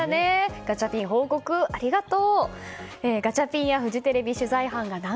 ガチャピン報告ありがとう！